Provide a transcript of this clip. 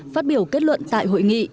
phát biểu kết luận tại hội nghị